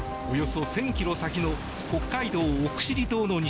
１０００ｋｍ先の北海道・奥尻島の西